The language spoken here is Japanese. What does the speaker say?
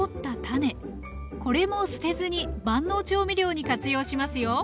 これも捨てずに万能調味料に活用しますよ。